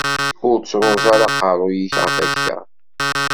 Ur ttruẓ ara aqerru-k ɣef akka!